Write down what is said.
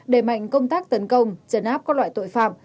đề mạnh công tác tấn công trấn áp các loại tội phạm